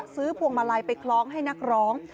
พวงมาลัยไปคล้องให้นักร้อง